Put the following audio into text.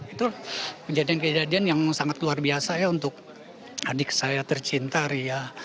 itu kejadian kejadian yang sangat luar biasa ya untuk adik saya tercinta ria